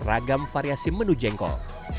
ragam variasi menu jengkol